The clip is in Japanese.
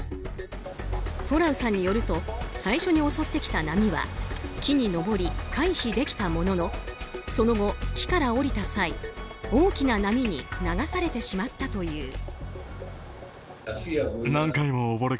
フォラウさんによると最初に襲ってきた波は木に登り回避できたもののその後、木から下りた際大きな波に流されてしまったという。